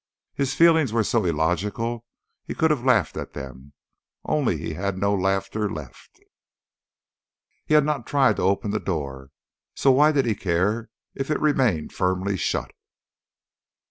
His feelings were so illogical he could have laughed at them, only he had no laughter left. He had not tried to open the door, so why did he care that it remained firmly shut?